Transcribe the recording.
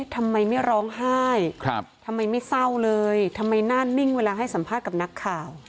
ทำไมไม่ร้องไห้ทำไมไม่เศร้าเลยทำไมหน้านิ่งเวลาให้สัมภาษณ์กับนักข่าว